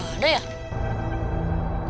kok ada rambut ya